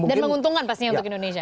dan menguntungkan pastinya untuk indonesia